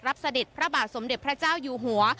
เสด็จพระบาทสมเด็จพระเจ้าอยู่หัว